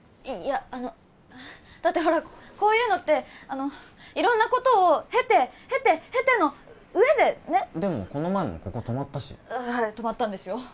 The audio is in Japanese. いやあのだってほらこういうのってあの色んなことを経て経て経ての上でねっでもこの前もここ泊まったし泊まったんですよ